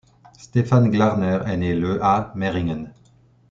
Stefan Glarner est né le à Meiringen.